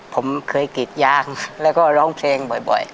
ผมเคยกรีดยางแล้วก็ร้องเพลงบ่อย